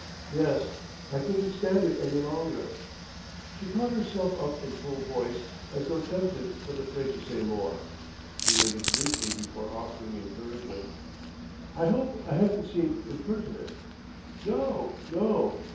"Yes. I couldn't stand it any longer " She caught herself up in full voice, as though tempted but afraid to say more. He waited briefly before offering encouragement. "I hope I haven't seemed impertinent...." "No, no!"